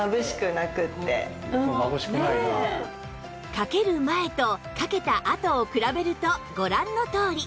かける前とかけたあとを比べるとご覧のとおり